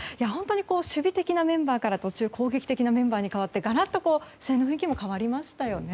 守備的なメンバーから途中、攻撃的なメンバーに代わってがらっと試合の雰囲気も変わりましたよね。